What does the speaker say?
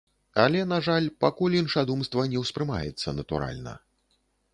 Але, на жаль, пакуль іншадумства не ўспрымаецца натуральна.